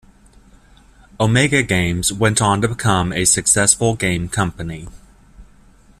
Omega Games went on to become a successful game company.